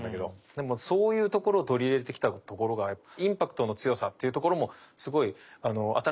でもそういうところを取り入れてきたところがインパクトの強さっていうところもすごい新しいポイントになるのかなと思うので。